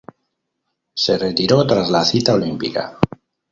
Se retiró tras la cita olímpica.